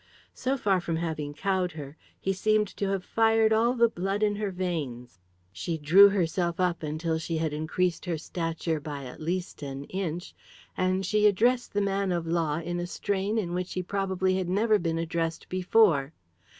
So far from having cowed her, he seemed to have fired all the blood in her veins. She drew herself up until she had increased her stature by at least an inch, and she addressed the man of law in a strain in which he probably had never been addressed before.